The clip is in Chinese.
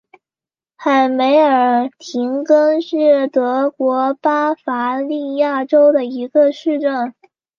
海梅尔廷根是德国巴伐利亚州的一个市镇。